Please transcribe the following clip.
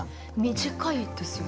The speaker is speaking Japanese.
短いですよね？